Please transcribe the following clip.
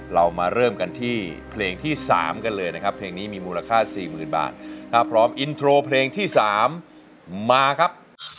เรามาเริ่มกันที่เพลงที่๓กันเลยนะครับเพลงนี้มีมูลค่า๔๐๐๐บาทถ้าพร้อมอินโทรเพลงที่๓มาครับ